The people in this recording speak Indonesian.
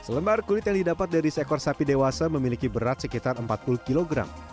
selembar kulit yang didapat dari seekor sapi dewasa memiliki berat sekitar empat puluh kg